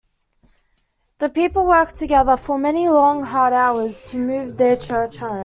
The people worked together for many long, hard hours to move their church home.